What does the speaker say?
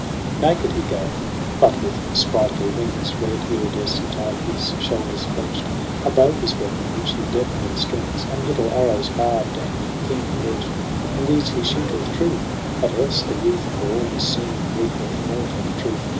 17 Naked he goeth, but with sprightly wings Red, iridescent, are his shoulders fledged. A bow his weapon, which he deftly strings. And little arrows barb'd and keenly edged ; And these he shooteth true ; but else the youth For all his seeming recketh naught of truth.